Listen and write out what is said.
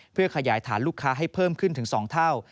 เพื่อขยายฐานลูกค้าให้เพิ่มขึ้นถึง๒เท่า